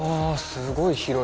すごい広い。